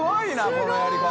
このやり方。